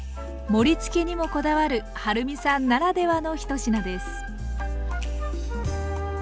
盛りつけにもこだわるはるみさんならではの１品です。